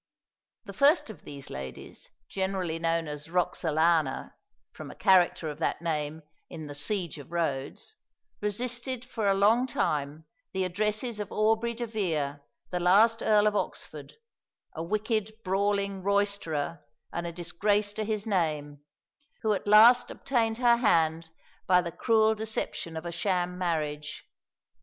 The first of these ladies, generally known as "Roxalana," from a character of that name in the "Siege of Rhodes," resisted for a long time the addresses of Aubrey de Vere, the last Earl of Oxford, a wicked brawling roysterer, and a disgrace to his name, who at last obtained her hand by the cruel deception of a sham marriage.